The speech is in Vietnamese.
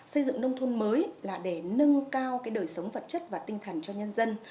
xây dựng nông thôn mới là để nâng cao đời sống vật chất và tinh thần cho nhân dân